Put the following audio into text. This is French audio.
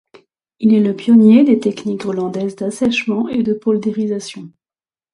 Il est le pionnier des techniques hollandaises d'assèchement et de poldérisation.